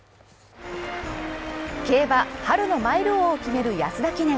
競馬、春のマイル王を決める安田記念。